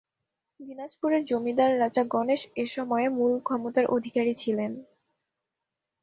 দিনাজপুরের জমিদার রাজা গণেশ এসময় মূল ক্ষমতার অধিকারী ছিলেন।